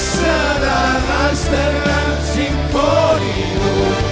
selahas dengan simponimu